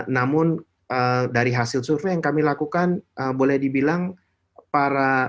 namun dari hasil survei yang kami lakukan boleh dibilang para pihak yang mengikuti program edukasi